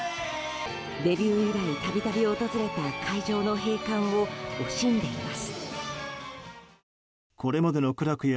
デビュー以来たびたび訪れた会場の閉館を惜しんでいます。